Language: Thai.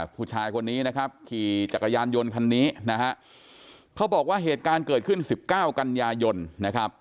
ผู้ชายคนนี้นะครับขี่จักรยานยนต์คันนี้นะฮะเขาบอกว่าเหตุการณ์เกิดขึ้นสิบเก้ากันยายนนะครับ